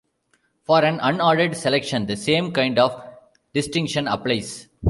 For an unordered selection the same kind of distinction applies.